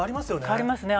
変わりますね。